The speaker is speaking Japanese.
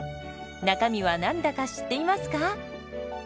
中身は何だか知っていますか？